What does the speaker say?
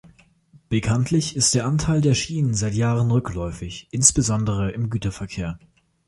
Bekanntlich ist der Anteil der Schiene seit Jahren rückläufig, insbesondere im Güterverkehr.